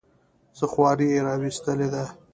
څه خواري یې راوستلې ده.